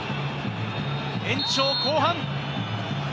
延長後半。